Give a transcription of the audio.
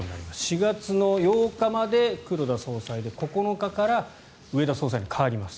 ４月８日まで黒田総裁で９日から植田総裁に代わります。